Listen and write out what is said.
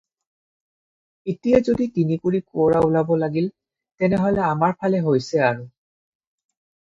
এতিয়া যদি তিনিকুৰি কেঁকোৰা ওলাব লাগিল, তেনেহ'লে আমাৰ ফালে হৈছে আৰু।